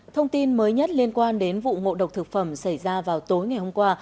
thông tin mới nhất liên quan đến vụ ngộ độc thực phẩm xảy ra vào tối ngày hôm qua